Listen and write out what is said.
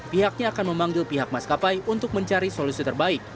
pihaknya akan memanggil pihak maskapai untuk mencari solusi terbaik